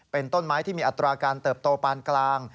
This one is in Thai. เป็นต้นไม้ที่มีอัตราการเติบโตปานกลาง